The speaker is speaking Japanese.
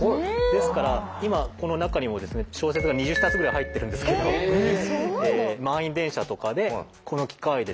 ですから今この中にもですね小説が２０冊ぐらい入ってるんですけど満員電車とかでこの機械でですね